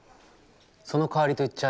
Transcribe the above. そのかわりと言っちゃ